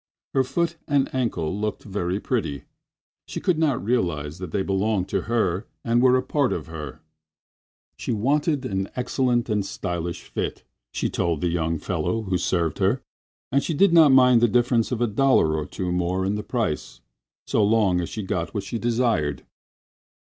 Her foot and ankle looked very pretty. She could not realize that they belonged to her and were a part of herself. She wanted an excellent and stylish fit, she told the young fellow who served her, and she did not mind the difference of a dollar or two more in the price so long as she got what she desired.